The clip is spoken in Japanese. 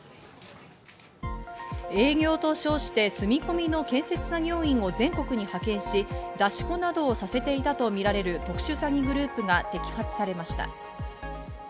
営業と称して住み込みの建設作業員を全国に派遣し、出し子などをさせていたとみられる特殊詐欺グループが摘発されました。